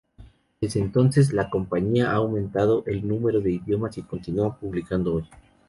Desde entonces, la compañía ha aumentado el número de idiomas y continúa publicando hoy.